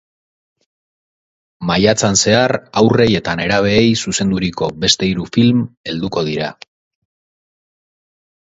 Maiatzan zehar haurrei eta nerabeei zuzenduriko beste hiru film helduko dira.